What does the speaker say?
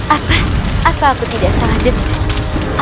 apa apa aku tidak salah detik